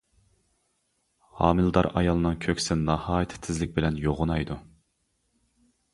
ھامىلىدار ئايالنىڭ كۆكسى ناھايىتى تېزلىك بىلەن يوغىنايدۇ.